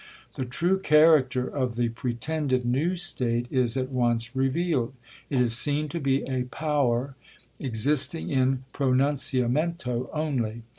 The true character of the pretended new State is at once revealed. It is seen to be a Power existing in pronunciamento only.